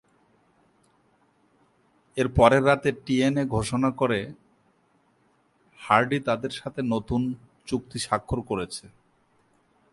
এরপরের রাতে টিএনএ ঘোষণা করে হার্ডি তাদের সাথে নতুন চুক্তি সাক্ষর করেছে।